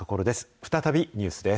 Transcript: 再びニュースです。